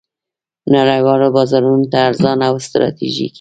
نړیوالو بازارونو ته ارزانه او ستراتیژیکې